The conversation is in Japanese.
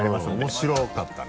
面白かったね。